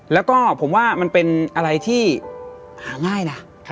แล้วก็ผมว่ามันเป็นอะไรที่หาง่ายนะ